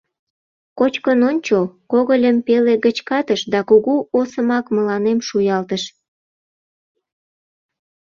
— Кочкын ончо, — когыльым пеле гыч катыш да кугу осымак мыланем шуялтыш.